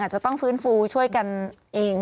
จะต้องฟื้นฟูช่วยกันเอง